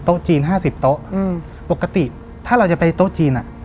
จีนห้าสิบโต๊ะอืมปกติถ้าเราจะไปโต๊ะจีนอ่ะ